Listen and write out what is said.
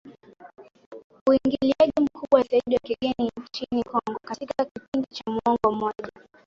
uingiliaji mkubwa zaidi wa kigeni nchini Kongo katika kipindi cha muongo mmoja